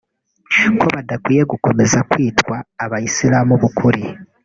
ko badakwiye gukomeza kwitwa abayisilamu b’ukuri